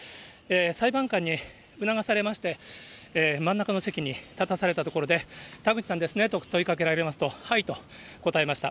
裁判官に促されまして、真ん中の席に立たされたところで、田口さんですねと問いかけられますと、はいと答えました。